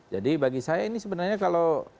jadi bagi saya ini sebenarnya kalau